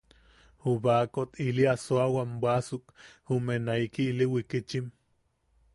Ju baakot ili asoawam bwaʼasuk, jume naiki ili wikitchim.